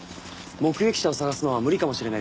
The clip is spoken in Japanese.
目撃者を捜すのは無理かもしれないですね。